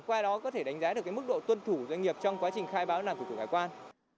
qua đó có thể đánh giá được mức độ tuân thủ doanh nghiệp trong quá trình khai báo làm thủ tục hải quan